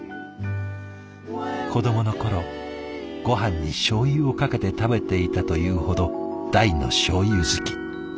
子どもの頃ごはんにしょう油をかけて食べていたというほど大のしょう油好き。